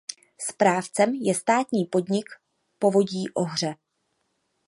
Správcem je státní podnik Povodí Ohře.